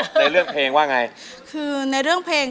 ก็ข้อไม่มีว่าเกิดอะไรกับเพลง